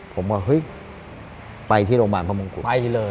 ผมก็เห้ยไปที่โรงพยาบาลพระมงกุฎ